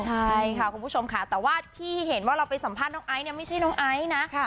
ใช่ค่ะคุณผู้ชมค่ะแต่ว่าที่เห็นว่าเราไปสัมภาษณ์น้องไอซ์เนี่ยไม่ใช่น้องไอซ์นะ